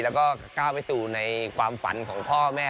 แล้วก็ก้าวไปสู่ในความฝันของพ่อแม่